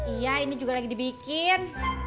iya ini juga lagi dibikin